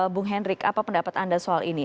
bung hendrik apa pendapat anda soal ini